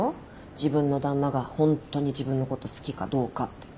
自分の旦那がホントに自分のこと好きかどうかって。